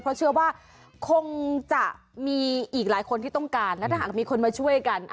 เพราะเชื่อว่าคงจะมีอีกหลายคนที่ต้องการและถ้าหากมีคนมาช่วยกัน